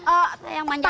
oh yang manggah